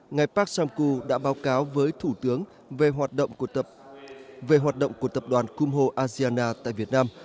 ngày park sam ku đã báo cáo với thủ tướng về hoạt động của tập đoàn kumho asiana tại việt nam